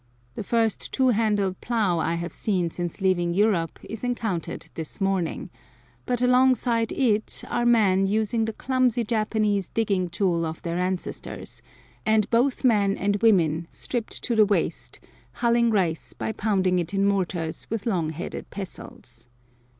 The first two handled plough I have seen since leaving Europe is encountered this morning; but alongside it are men using the clumsy Japanese digging tool of their ancestors, and both men and women stripped to the waist, hulling rice by pounding it in mortars with long headed pestles.